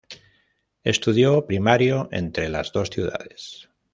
Estudio primario entre las dos ciudades.